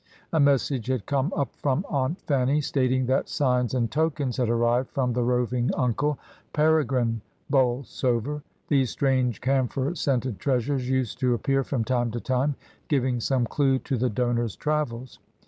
A mes sage had come up from Aimt Fanny, stating that signs and tokens had arrived from the roving uncle, Peregrine Bolsover. These strange camphor scented treasures used to appear from time to time, giving some clue to the donor's travels.